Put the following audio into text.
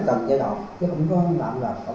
trong đó có cả đồ dùng cho thực phẩm